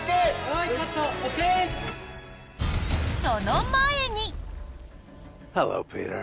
その前に。